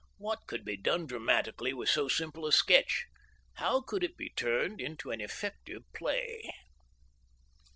What could be done dramatically with so simple a sketch? How could it he turned into an effective play?